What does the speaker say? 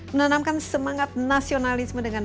menanamkan semangat nasionalisme dengan